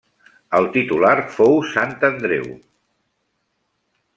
El titular fou Sant Andreu.